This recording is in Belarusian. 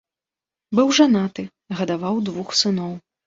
Быў жанаты, гадаваў двух сыноў.